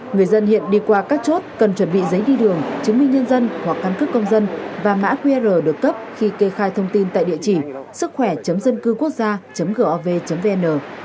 người dân hiện đi qua các chốt cần chuẩn bị giấy đi đường chứng minh nhân dân hoặc căn cấp công dân và mã qr được cấp khi kê khai thông tin tại địa chỉ sứckhoẻ dâncưuquốc gia gov vn